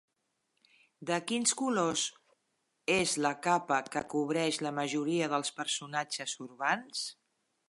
De quins colors és la capa que cobreix la majoria dels personatges urbans?